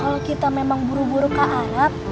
kalau kita memang buru buru ke alat